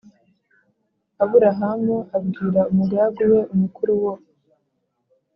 Aburahamu abwira umugaragu we umukuru wo